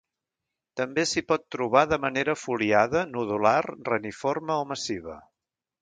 També s'hi pot trobar de manera foliada, nodular, reniforme o massiva.